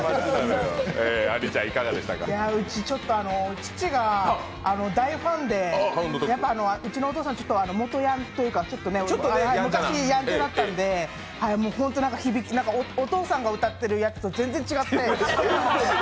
父が大ファンで、うちのお父さん、元ヤンというか昔、ヤンキーだったんで本当、お父さんが歌ってるやつと全然違って。